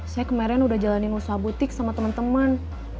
saya kemarin udah jalanin usaha butik sama temen temen